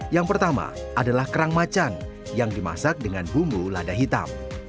yang pertama adalah kerang macan yang dimasak dengan bumbu lada hitam